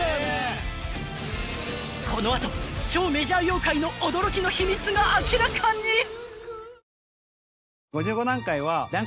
［この後超メジャー妖怪の驚きの秘密が明らかに！］